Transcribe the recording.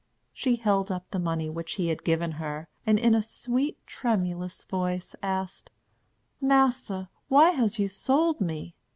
She held up the money which he had given her, and, in a sweet, tremulous voice, asked: "Massa, why has you sold me?